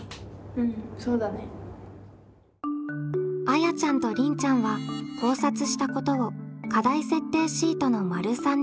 あやちゃんとりんちゃんは考察したことを課題設定シートの③にまとめました。